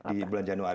di bulan januari ini